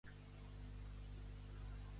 Com el va ajudar Zeus?